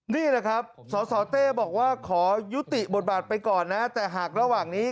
นี่แหละครับสสเต้บอกว่าขอยุติบทบาทไปก่อนนะแต่หากระหว่างนี้